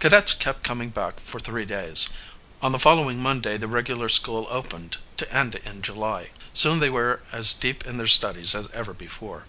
Cadets kept coming back for three days, on the following Monday the regular school opened, to end in July. Soon the boys were as deep in their studies as ever before.